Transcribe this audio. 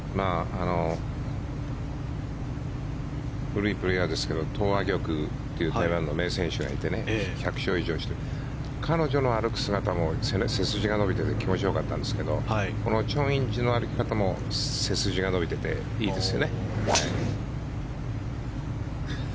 古いプレーヤーですけど台湾の名選手がいて１００勝以上して彼女の歩く姿も背筋が伸びていて奇麗だったんですけどこのチョン・インジの歩き方も背筋が伸びていていいですよね。